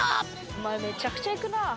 お前めちゃくちゃ行くなあ。